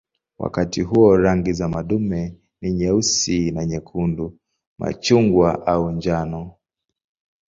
Wakati huo rangi za madume ni nyeusi na nyekundu, machungwa au njano.